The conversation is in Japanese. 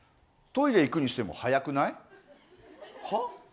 トイレ行くにしても早くない？はっ？